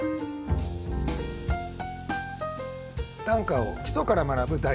短歌を基礎から学ぶ